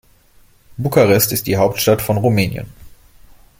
Bukarest ist die Hauptstadt von Rumänien.